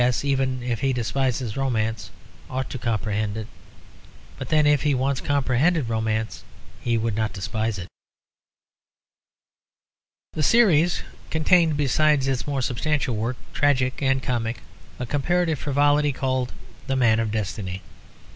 B. S., even if he despises romance, ought to comprehend it. But then, if once he comprehended romance, he would not despise it. The series contained, besides its more substantial work, tragic and comic, a comparative frivolity called The Man of Destiny.